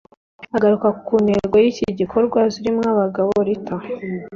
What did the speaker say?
Agaruka ku ntego y’iki gikorwa Zirimwabagabo Rita